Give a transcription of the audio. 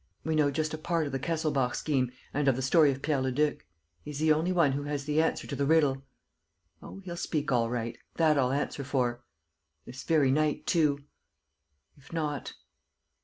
... We know just a part of the Kesselbach scheme and of the story of Pierre Leduc. ... He's the only one who has the answer to the riddle. ... Oh, he'll speak all right; that I'll answer for ... this very night, too ... If not